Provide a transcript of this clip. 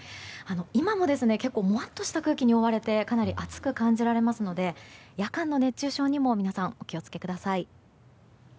今も結構もわっとした空気に覆われてかなり暑く感じられますので夜間の熱中症にも皆さん、お気を付けください。